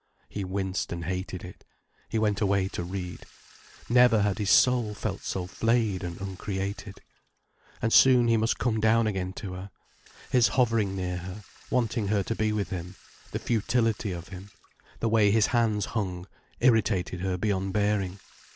He winced and hated it. He went away to read. Never had his soul felt so flayed and uncreated. And soon he must come down again to her. His hovering near her, wanting her to be with him, the futility of him, the way his hands hung, irritated her beyond bearing.